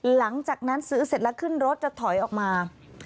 หลังจากนั้นซื้อเสร็จแล้วขึ้นรถจะถอยออกมา